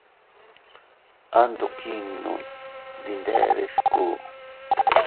Andokinnun dindede sku.